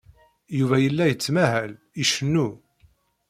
Yuba yella yettmahal, icennu.